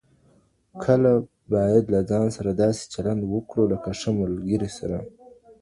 کله باید له ځان سره داسې چلند وکړو لکه له ښه ملګري سره؟